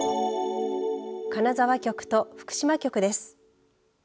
金沢局と福島局です。